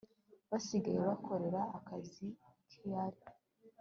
basigaye bakorera akazi kiali